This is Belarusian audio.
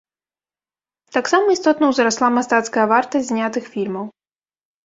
Таксама істотна ўзрасла мастацкая вартасць знятых фільмаў.